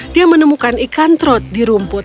dia menemukan ikan trot di rumput